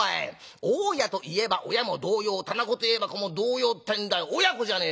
大家といえば親も同様店子といえば子も同様ってんで親子じゃねえか。